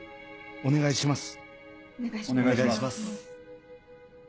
お願いします。